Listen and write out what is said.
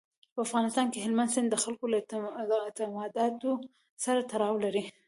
په افغانستان کې هلمند سیند د خلکو له اعتقاداتو سره تړاو لري.